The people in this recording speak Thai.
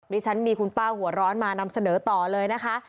ดิฉันมีคุณป้าหัวร้อนมานำเสนอต่อเลยนะคะ